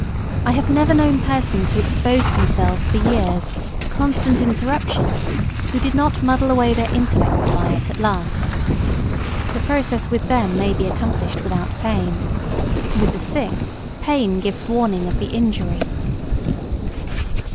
I have never known persons who exposed themselves for years to constant interruption who did not muddle away their intellects by it at last. The process with them may be accomplished without pain. With the sick, pain gives warning of the injury. [Sidenote: Keeping a patient standing.